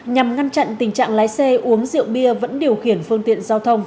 nhằm ngăn chặn tình trạng lái xe uống rượu bia vẫn điều khiển phương tiện giao thông